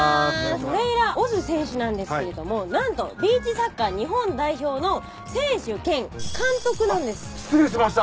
茂怜羅オズ選手なんですけれどもなんとビーチサッカー日本代表の選手兼監督なんです失礼しました